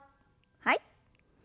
はい。